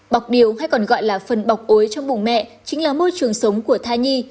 bọc điều hay còn gọi là phần bọc ối trong vùng mẹ chính là môi trường sống của thai nhi